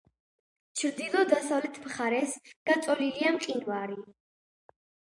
ჩრდილო-დასავლეთ მხარეს გაწოლილია მყინვარი.